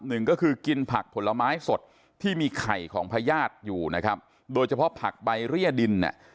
หนึ่งก็คือกินผักผลไม้สดที่มีไข่ของพญาติอยู่นะครับโดยเฉพาะผักใบเรียดินเนี่ย